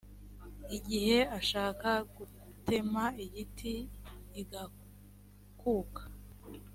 igihe ashaka gutema igiti, igakuka,